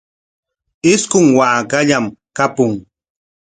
Isqun waakallam kapun.